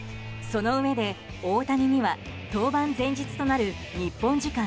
そのうえで大谷には登板前日となる日本時間